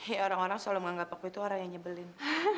eh orang orang selalu menganggap aku itu orang yang nyebelin